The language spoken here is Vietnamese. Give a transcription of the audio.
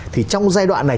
thì trong giai đoạn này